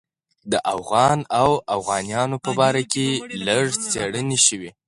د اوغان او اوغانیانو په باره کې لږ څېړنې شوې.